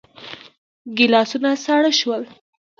ګيلاسونه ساړه شول.